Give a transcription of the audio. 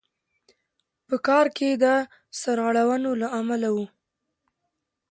په کار کې د سرغړونو له امله وو.